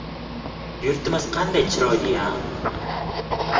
Yurtimiz qanday chiroyli-a